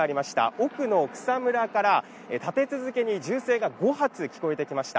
奥の草むらから立て続けに銃声が５発聞こえてきました。